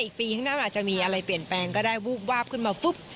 ในปีขึ้นหน้ามาจะมีอะไรเปลี่ยนแปลงก็ได้วรับขึ้นมาฟึบ